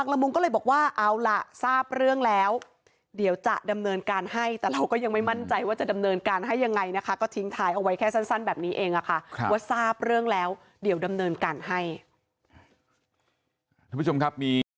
ละมุมก็เลยบอกว่าเอาล่ะทราบเรื่องแล้วเดี๋ยวจะดำเนินการให้แต่เราก็ยังไม่มั่นใจว่าจะดำเนินการให้ยังไงนะคะก็ทิ้งท้ายเอาไว้แค่สั้นแบบนี้เองค่ะว่าทราบเรื่องแล้วเดี๋ยวดำเนินการให้ทุกผู้ชมครับมี